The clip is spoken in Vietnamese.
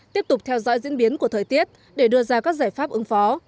tiếp tục theo dõi diễn biến của thời tiết để đưa ra các giải pháp ứng phó